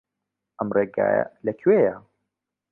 ئەم ڕێگایە لەکوێیە؟